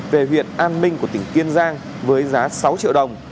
về huyện an minh của tỉnh kiên giang với giá sáu triệu đồng